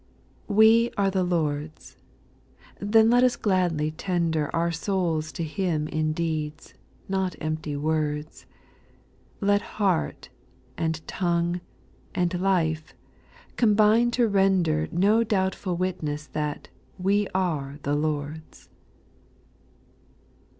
2. "We are the Lord's." Then let us gladly tender Our souls to Him in deeds, not empty words ; Let heart, and tongue, and life, combine to render No doubtful witness that "We are the Lord's."